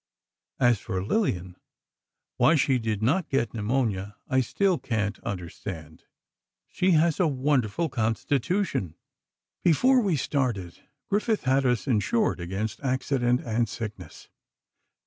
As for Lillian, why she did not get pneumonia, I still can't understand. She has a wonderful constitution. Before we started, Griffith had us insured against accident, and sickness.